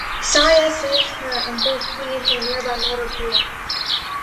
Saya saves her and both flee into a nearby motor pool.